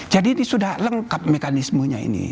jadi ini sudah lengkap mekanismenya ini